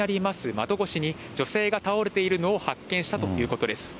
窓越しに、女性が倒れているのを発見したということです。